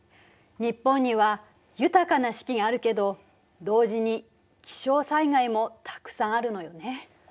日本には豊かな四季があるけど同時に気象災害もたくさんあるのよね。